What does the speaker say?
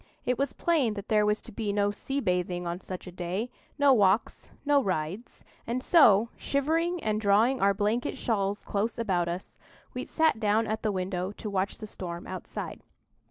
It was plain that there was to be no sea bathing on such a day, no walks, no rides; and so, shivering and drawing our blanket shawls close about us, we sat down at the window to watch the storm outside.